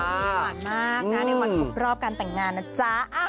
มีหวานมากนะในวันครบรอบการแต่งงานนะจ๊ะ